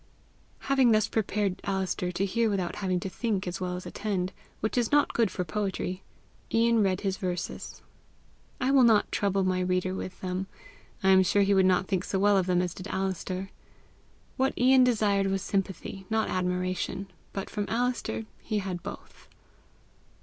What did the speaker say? Having thus prepared Alister to hear without having to think as well as attend, which is not good for poetry, Ian read his verses. I will not trouble my reader with them; I am sure he would not think so well of them as did Alister. What Ian desired was sympathy, not admiration, but from Alister he had both.